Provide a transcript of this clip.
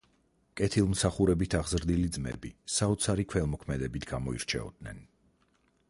კეთილმსახურებით აღზრდილი ძმები საოცარი ქველმოქმედებით გამოირჩეოდნენ.